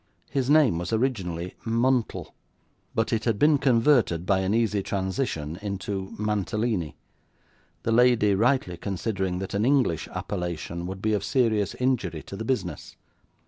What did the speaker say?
His name was originally Muntle; but it had been converted, by an easy transition, into Mantalini: the lady rightly considering that an English appellation would be of serious injury to the business.